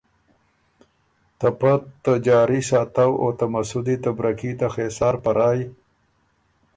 ته پۀ ته جاري ساتؤ او ته مسُودی ته بره کي ته خېسار په رایٛ